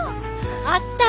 あった！